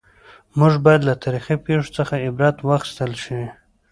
موږ باید له تاریخي پېښو څخه عبرت واخیستل شي.